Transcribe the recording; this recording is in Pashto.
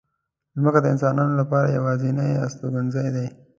مځکه د انسانانو لپاره یوازینۍ استوګنځای دی.